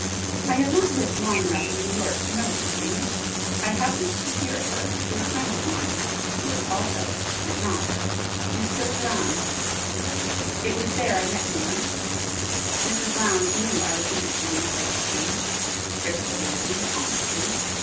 "I have not lived long enough in New York to know these things. I happened to hear of her through a friend of mine (yours also, is it not?) Mrs. Billee Lowndes. It was there I met you once. Mrs. Lowndes knew I was interested in the psychic things: crystal gazing, palmistry.